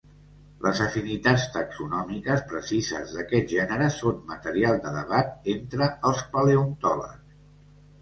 Les afinitats taxonòmiques precises d'aquest gènere són material de debat entre els paleontòlegs.